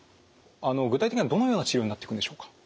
具体的にはどのような治療になってくんでしょうか。